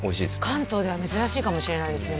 関東では珍しいかもしれないですよ